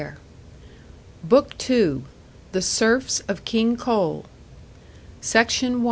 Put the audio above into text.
BOOK TWO THE SERFS OF KING COAL SECTION 1.